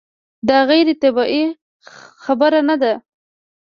دا غیر طبیعي خبره نه ده.